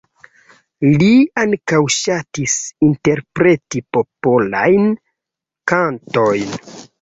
Li ankaŭ ŝatis interpreti popolajn kantojn.